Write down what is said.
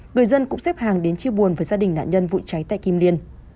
người dân cũng xếp hàng đến chia buồn với gia đình nạn nhân vụ cháy tại kim liên